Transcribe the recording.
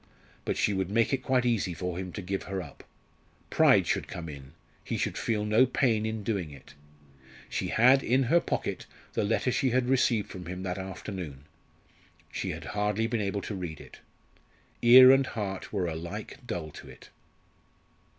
But she would make it quite easy to him to give her up. Pride should come in he should feel no pain in doing it. She had in her pocket the letter she had received from him that afternoon. She had hardly been able to read it. Ear and heart were alike dull to it.